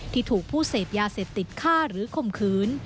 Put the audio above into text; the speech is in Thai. ที่ถูกผู้เสพยาเสพติดฆ่าหรือข่มขืน